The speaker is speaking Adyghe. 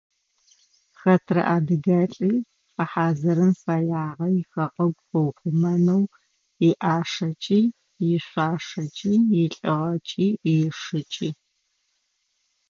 Хэтрэ адыгэлӀи фэхьазырын фэягъэ ихэгъэгу къыухъумэнэу иӀашэкӀи, ишъуашэкӀи, илӀыгъэкӀи, ишыкӀи.